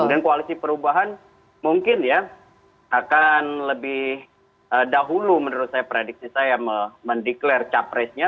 kemudian koalisi perubahan mungkin ya akan lebih dahulu menurut saya prediksi saya mendeklarasi capresnya